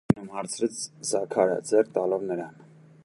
- Ո՞ւր ես գնում,- հարցրեց Զաքարը, ձեռք տալով նրան: